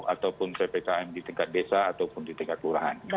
ataupun ppkm di tingkat desa ataupun di tingkat kelurahan